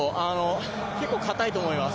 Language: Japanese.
結構、かたいと思います。